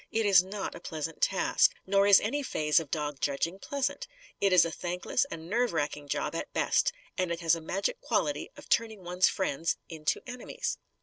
It is not a pleasant task. Nor is any phase of dog judging pleasant. It is a thankless and nerve racking job, at best; and it has a magic quality of turning one's friends into enemies.